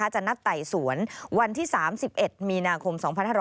จะนัดไต่สวนวันที่๓๑มีนาคม๒๕๖๒